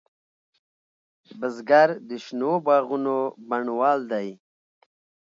بزګر د شنو باغونو بڼوال دی